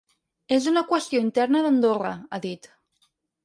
És una qüestió interna d’Andorra, ha dit.